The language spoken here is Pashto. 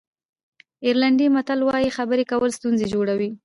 آیرلېنډي متل وایي خبرې کول ستونزې جوړوي.